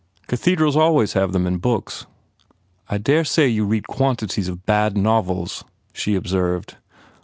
"Cathedrals always have sacristans in books." "I dare say you read quantities of bad novels," she observed.